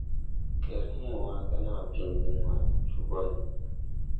Gerhee wãã gà naa biŋ diŋ maa jo ɓone.